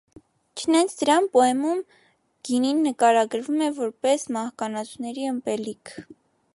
Չնայած դրան պոեմում գինին նկարագրվում է, որպես մահկանացուների ըմպելիք։